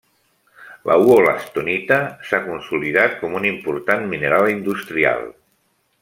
La wol·lastonita s'ha consolidat com un important mineral industrial.